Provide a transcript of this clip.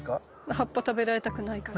葉っぱ食べられたくないから。